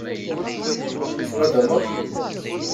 Tennudmeḍ?